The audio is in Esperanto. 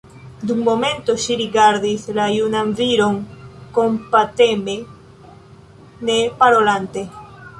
Dum momento ŝi rigardis la junan viron kompateme, ne parolante.